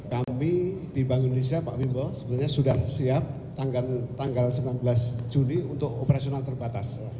kami di bank indonesia pak wimbo sebenarnya sudah siap tanggal sembilan belas juli untuk operasional terbatas